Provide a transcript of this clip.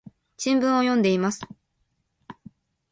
新聞を読んでいます。